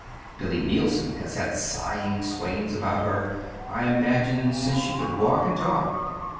Billy Neilson has had sighing swains about I her, I imagine, since she could walk and talk.